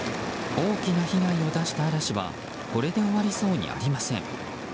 大きな被害を出した嵐はこれで終わりそうにありません。